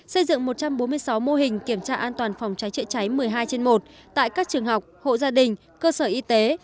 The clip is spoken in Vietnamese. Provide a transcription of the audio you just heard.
xây dựng một trăm bốn mươi sáu mô hình kiểm tra an toàn phòng cháy chữa cháy một mươi hai trên một tại các trường học hộ gia đình cơ sở y tế